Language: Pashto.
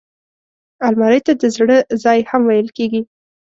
الماري ته د زړه ځای هم ویل کېږي